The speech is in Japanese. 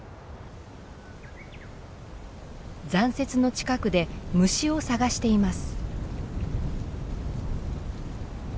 残雪の近くで虫を探しています。